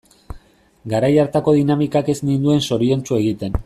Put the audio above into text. Garai hartako dinamikak ez ninduen zoriontsu egiten.